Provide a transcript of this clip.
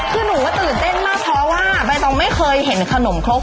คือหนูก็ตื่นเต้นมากเพราะว่าใบตองไม่เคยเห็นขนมครก